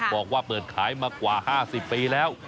บอกว่าเปิดขายมากว่า๕๐ปีแล้ว